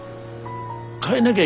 変えなぎゃ